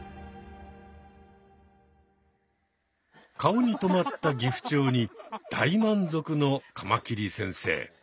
顔に止まったギフチョウに大満足のカマキリ先生。